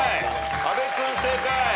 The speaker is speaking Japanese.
阿部君正解。